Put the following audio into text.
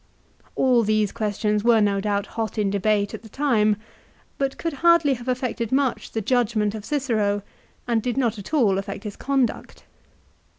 All these questions were no doubt hot in debate at the time, but could hardly have affected much the judgment of Cicero and did not at all affect his conduct.